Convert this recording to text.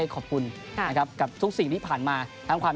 ช่วงท้ายนะครับก็ให้ทั้ง๓ท่าน